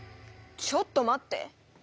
ちょっと待って！